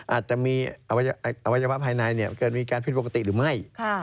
อาจจะมีอวัยวะภายในเกิดมีการผิดปกติหรือไม่